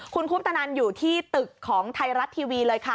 คุณคุปตนันอยู่ที่ตึกของไทยรัฐทีวีเลยค่ะ